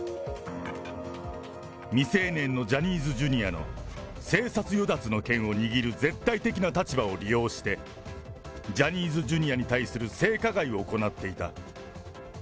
未成年のジャニーズＪｒ．の生殺与奪の権を握る絶対的な立場を利用して、ジャニーズＪｒ．に対する性加害を行っていた。